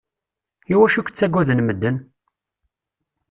Iwacu i k-ttagaden medden?